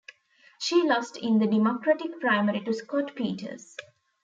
She lost in the Democratic primary to Scott Peters.